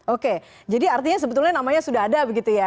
oke jadi artinya namanya sebetulnya sudah ada begitu ya